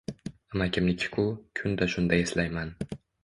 Amakimni-ku, kunda-shunda eslayman